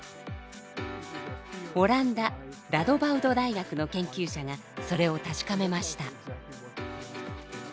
オランダラドバウド大学の研究者がそれを確かめました。